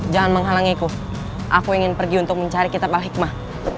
jangan menghalangiku aku ingin pergi untuk mencari kitab hikmah